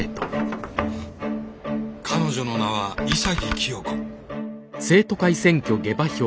彼女の名は潔清子。